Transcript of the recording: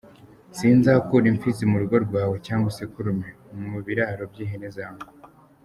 Sinzakura impfizi mu rugo rwawe, Cyangwa isekurume mu biraro by’ihene zawe.